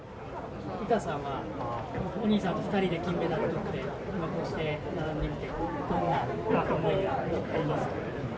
詩さんはお兄さんと２人で金メダルをとって今、こうして並んでみてどんな思いがありますか？